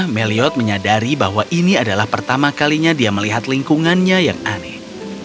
meliot menyadari bahwa ini adalah pertama kalinya dia melihat lingkungannya yang aneh